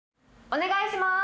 お願いします。